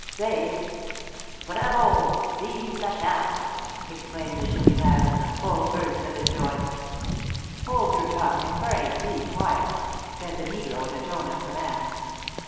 "Saved? Bravo! Vive la Charte!" exclaimed the Chourineur, in the full burst of his joy. "Hold your tongue! and pray be quiet!" said the negro, in a tone of command.